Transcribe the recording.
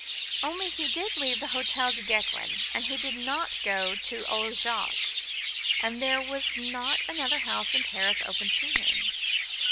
Only he did leave the Hotel Duguesclin, and he did not go to old Jacques, and there was not another house in Paris open to him.